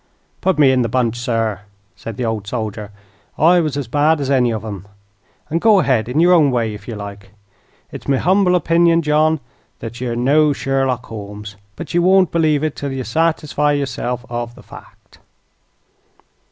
"Put me in the bunch, sir," said the old soldier, "I was as bad as any of them. And go ahead in your own way, if ye like. It's me humble opinion, John, that you're no Sherlock Holmes; but ye won't believe it 'til ye satisfy yourself of the fact."